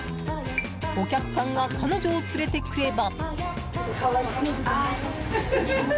お客さんが彼女を連れてくれば。